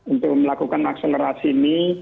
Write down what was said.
untuk melakukan akselerasi ini